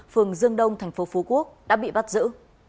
phường dương đông thành phố phú quốc đã bị bắt giữ